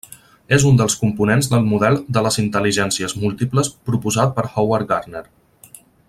És un dels components del model de les intel·ligències múltiples proposat per Howard Gardner.